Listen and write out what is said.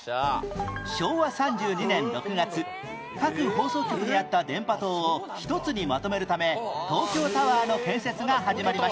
昭和３２年６月各放送局にあった電波塔を１つにまとめるため東京タワーの建設が始まりました